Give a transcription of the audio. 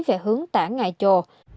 về hướng tảng a chô